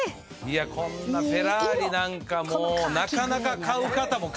こんなフェラーリなんかもうなかなか買う方も限られるからね。